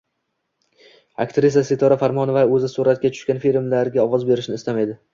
Aktrisa Sitora Farmonova o‘zi suratga tushgan filmlarga ovoz berishni istamaydi